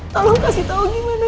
tolong kasih tau gimana